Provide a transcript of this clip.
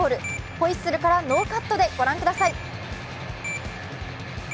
ホイッスルからノーカットでご覧ください。